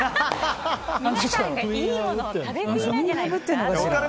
皆さんがいいものを食べすぎなんじゃないですか？